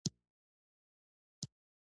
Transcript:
هوا د افغانانو د فرهنګي پیژندنې برخه ده.